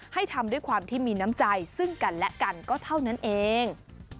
ทำด้วยความที่มีน้ำใจซึ่งกันและกันก็เท่านั้นเอง